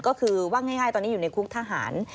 ก็คือว่าง่ายตอนนี้อยู่ในคุกทหาร